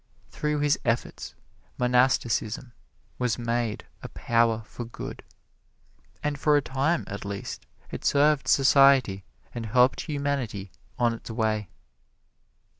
Through his efforts, monasticism was made a power for good, and for a time, at least, it served society and helped humanity on its way.